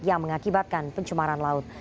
yang mengakibatkan pencemaran laut